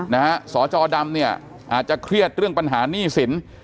นะฮะสจดำเนี่ยอาจจะเครียดเรื่องปัญหาหนี้สิน